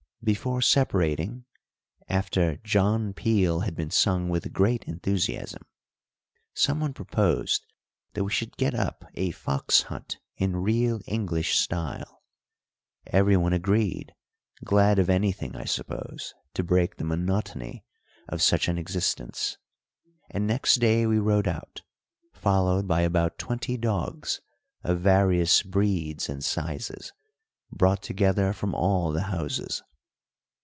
Before separating, after "John Peel" had been sung with great enthusiasm, someone proposed that we should get up a fox hunt in real English style. Everyone agreed, glad of anything, I suppose, to break the monotony of such an existence, and next day we rode out, followed by about twenty dogs, of various breeds and sizes, brought together from all the houses.